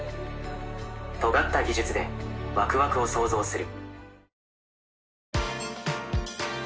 尖った技術でワクワクを創造する。